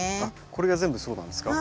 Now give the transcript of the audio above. これが全部そうなんですか？